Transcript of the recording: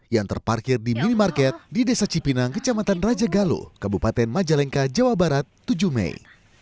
yang terparkir di minimarket di desa cipinang kecamatan rajagalo kabupaten majalengka jawa barat tujuh mei